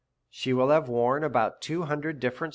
She will have wore about two hundred different